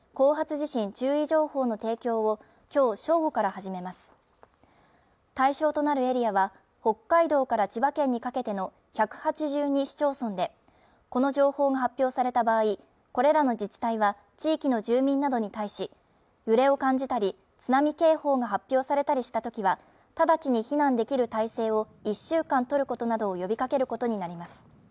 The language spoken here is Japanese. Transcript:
地震注意情報の提供をきょう正午から始めます対象となるエリアは北海道から千葉県にかけての１８２市町村でこの情報が発表された場合これらの自治体は地域の住民などに対し揺れを感じたり津波警報が発表されたりしたときは直ちに避難できる態勢を１週間取ることなどを呼びかけることになります